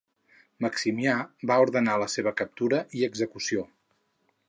Maximià va ordenar la seva captura i execució.